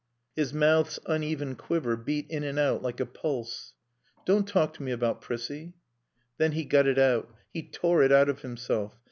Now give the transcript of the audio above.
His mouth's uneven quiver beat in and out like a pulse. "Don't talk to me about Prissie!" Then he got it out. He tore it out of himself.